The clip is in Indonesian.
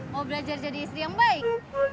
mau belajar jadi istri yang baik